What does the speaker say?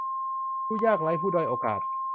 ผู้ยากไร้ ผู้ด้อยโอกาส